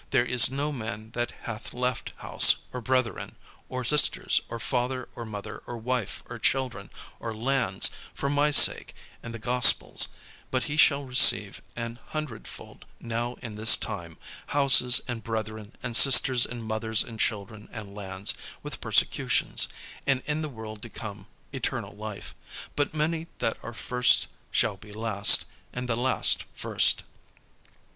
There is no man that hath left house, or brethren, or sisters, or father, or mother, or wife, or children, or lands, for my sake, and the gospel's, but he shall receive an hundredfold now in this time, houses, and brethren, and sisters, and mothers, and children, and lands, with persecutions; and in the world to come eternal life. But many that are first shall be last; and the last first."